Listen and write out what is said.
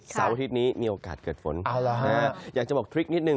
สาวอาทิตย์นี้มีโอกาสเกิดฝนนะครับอยากจะบอกทริคนิดหนึ่ง